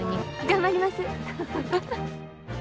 頑張ります。